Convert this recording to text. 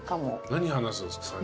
何話すんですか？